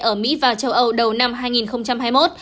ở mỹ và châu âu đầu năm hai nghìn hai mươi một